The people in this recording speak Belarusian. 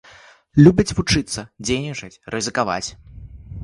Любяць вучыцца, дзейнічаць, рызыкаваць.